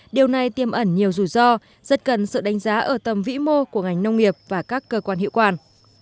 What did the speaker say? điều này tiêm ẩn nhiều rủi ro rất cần sự đánh giá ở tầm vĩ mô của ngành nông nghiệp và các cơ quan hiệu quản